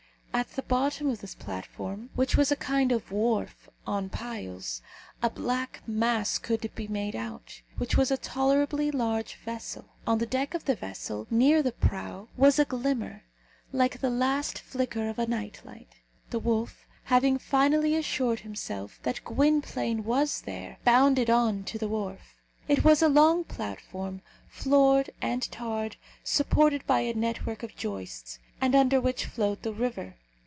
At the bottom of this platform, which was a kind of wharf on piles, a black mass could be made out, which was a tolerably large vessel. On the deck of the vessel, near the prow, was a glimmer, like the last flicker of a night light. The wolf, having finally assured himself that Gwynplaine was there, bounded on to the wharf. It was a long platform, floored and tarred, supported by a network of joists, and under which flowed the river.